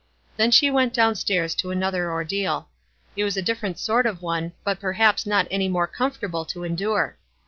Then she went down stairs to another ordeal. It was a different sort of one, but perhaps not any more comfortable to endure.